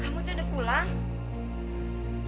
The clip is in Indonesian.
kamu tuh udah pulang